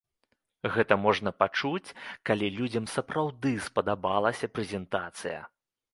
Гэта можна пачуць, калі людзям сапраўды спадабалася прэзентацыя!